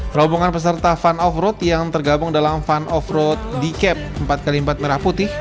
perhubungan peserta fun offroad yang tergabung dalam fun offroad d cap empat x empat merah putih